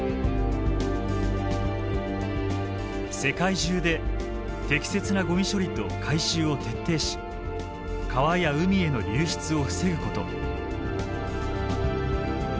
世界中で適切なゴミ処理と回収を徹底し川や海への流出を防ぐこと。